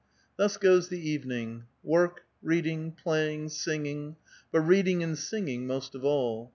Thus goes the evening : work, reading, play ing, singing; but reading and singing most of all.